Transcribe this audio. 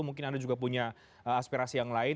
mungkin anda juga punya aspirasi yang lain